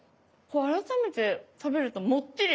改めて食べるともっちり。